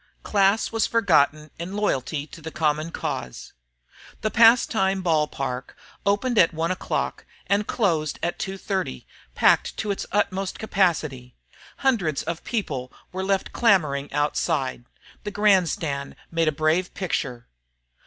Class was forgotten in loyalty to the common cause. The Pastime Ball Park opened at one o'clock and closed at two thirty packed to its utmost capacity. Hundreds of people were left clamoring outside. The grandstand made a brave picture.